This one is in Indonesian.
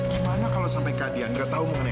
gimana kalau sampai kak dian nggak tahu mengenai arvino